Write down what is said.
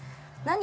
何？